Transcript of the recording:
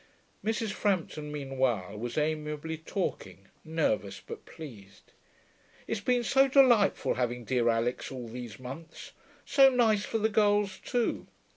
Mrs. Frampton meanwhile was amiably talking, nervous but pleased. 'It's been so delightful having dear Alix all these months. So nice for the girls, too.